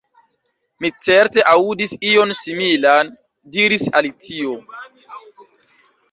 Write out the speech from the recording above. "Mi certe aŭdis ion similan," diris Alicio.